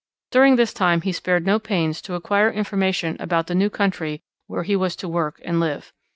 During this time he spared no pains to acquire information about the new country where he was to work and live.